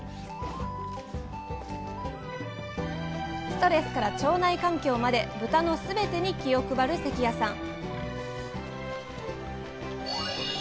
ストレスから腸内環境まで豚のすべてに気を配る関谷さん。